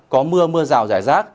có mưa mưa rào rải rác